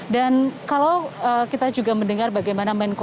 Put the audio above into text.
kalau kita juga mendengar bagaimana menko